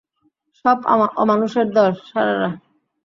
সব অমানুষের দল, শালারা!